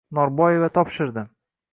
Norboeva topshirdi